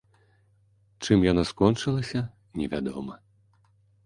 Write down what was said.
Чым яно скончылася, невядома.